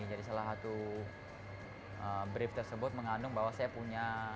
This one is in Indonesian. jadi salah satu brief tersebut mengandung bahwa saya punya